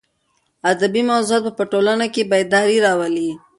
ادبي موضوعات په ټولنه کې بېداري راولي.